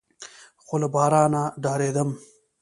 خو له بارانه ډارېدم.